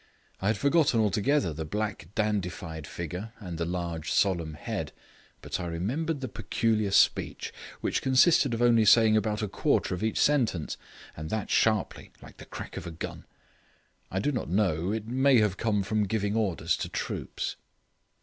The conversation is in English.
I had forgotten altogether the black dandified figure and the large solemn head, but I remembered the peculiar speech, which consisted of only saying about a quarter of each sentence, and that sharply, like the crack of a gun. I do not know, it may have come from giving orders to troops.